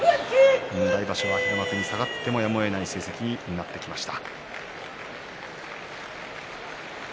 来場所は平幕に下がってもやむをえない成績になりました。